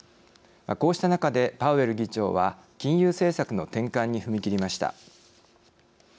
こうした中でパウエル議長は金融政策の転換に踏み切りました。